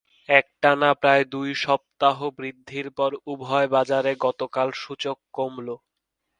একটানা প্রায় দুই সপ্তাহ বৃদ্ধির পর উভয় বাজারে গতকাল সূচক কমল।